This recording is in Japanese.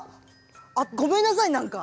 あっごめんなさいなんか。